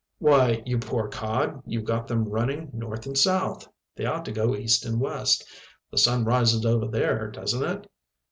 "Why, you poor cod, you've got them running north and south. They ought to go east and west. The sun rises over there, doesn't it?"